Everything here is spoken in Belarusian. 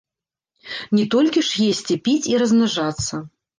Не толькі ж есці, піць і размнажацца.